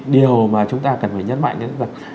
điều mà chúng ta cần phải nhấn mạnh là